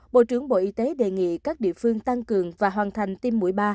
bộ trưởng bộ y tế đề nghị các địa phương tăng cường và hoàn thành tiêm mũi ba